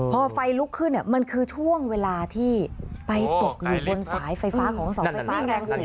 พอไฟลุกขึ้นมันคือช่วงเวลาที่ไปตกอยู่บนสายไฟฟ้าของเสาไฟฟ้าแรงสูง